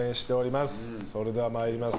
それでは参ります。